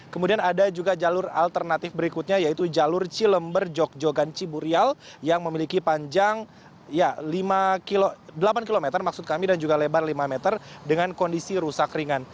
kemudian ada juga jalur alternatif berikutnya yaitu jalur cilember jogjogan ciburial yang memiliki panjang delapan km maksud kami dan juga lebar lima meter dengan kondisi rusak ringan